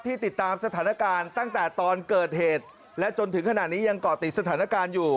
ติดตามสถานการณ์ตั้งแต่ตอนเกิดเหตุและจนถึงขณะนี้ยังเกาะติดสถานการณ์อยู่